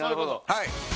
はい。